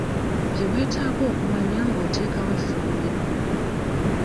Bye weetaaga okumanya ng'oteekawo effumbiro.